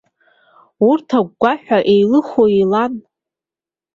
Урҭ агәгәаҳәа еилыхо еилан.